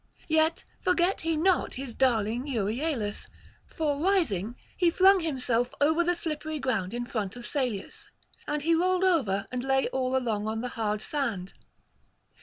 Yet forgot he not his darling Euryalus; for rising, he flung himself over the slippery ground in front of Salius, and he rolled over and lay all along on the hard sand.